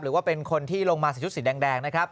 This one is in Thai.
หรือว่าเป็นคนที่ลงมาใส่ชุดสีแดงนะครับ